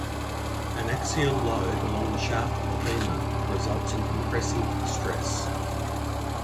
An axial load along the shaft of the femur results in compressive stress.